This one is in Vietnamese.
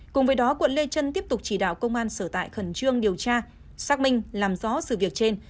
cùng với đó quận lê trân tiếp tục chỉ đạo công an sở tại khẩn trương điều tra xác minh làm rõ sự việc trên